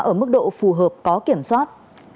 ở mức độ phù hợp có kiểm soát